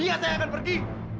iya saya akan pergi